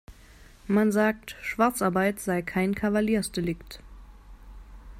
Man sagt, Schwarzarbeit sei kein Kavaliersdelikt.